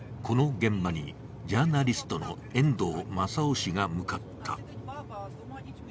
この現場に、ジャーナリストの遠藤正雄氏が向かった。